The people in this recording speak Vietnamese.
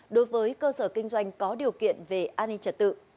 đối với cơ sở kinh doanh có điều kiện về an ninh trật tự